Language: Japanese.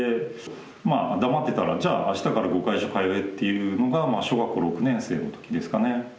まあ黙ってたら「じゃあ明日から碁会所通え」っていうのが小学校６年生の時ですかね。